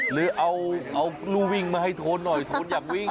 หรือเอารูวิ่งมาให้โทนหน่อยโทนอยากวิ่ง